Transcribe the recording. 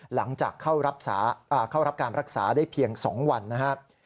หลังจากเข้ารับการรักษาได้เพียง๒วันนะครับ